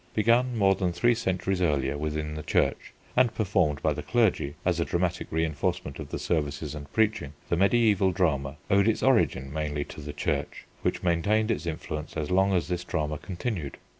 Begun more than three centuries earlier within the Church and performed by the clergy, as a dramatic reinforcement of the services and preaching, the mediæval drama owed its origin mainly to the Church which maintained its influence as long as this drama continued.